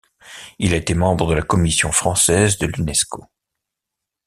Il a été membre de la Commission française de l’Unesco.